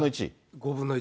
５分の１。